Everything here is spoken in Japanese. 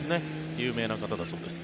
有名な方だそうです。